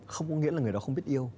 không có nghĩa là người đó không biết yêu